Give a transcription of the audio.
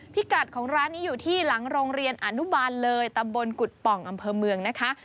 พิกัดของร้านนี้อยู่ที่หลังโรงเรียนอนุบาลเลยตำบลกุฎป่องอำเภอเมืองนะคะ